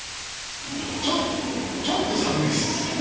ちょっと寒いです。